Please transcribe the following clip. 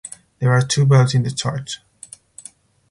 There are two bells in the church.